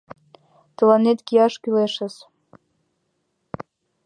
Тыланет кияш кӱлешыс!